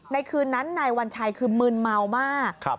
คืนนั้นนายวัญชัยคือมืนเมามาก